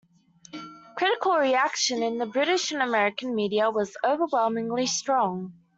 Critical reaction in the British and American media was overwhelmingly strong.